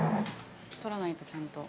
撮らないと、ちゃんと。